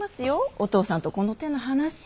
お父さんとこの手の話は。